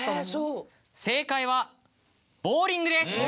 正解は「ボウリング」です。